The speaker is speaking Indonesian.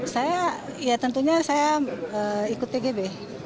saya ya tentunya saya ikut tgb